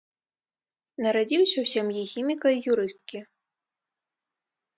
Нарадзіўся ў сям'і хіміка і юрысткі.